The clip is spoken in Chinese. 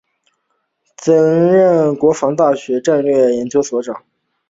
曾任国防大学战略研究所长。